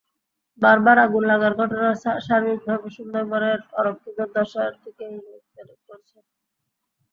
বারবার আগুন লাগার ঘটনা সার্বিকভাবে সুন্দরবনের অরক্ষিত দশার দিকেই ইঙ্গিত করছে।